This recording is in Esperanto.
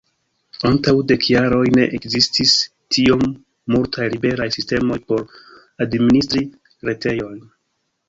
Antaŭ dek jaroj ne ekzistis tiom multaj liberaj sistemoj por administri retejon.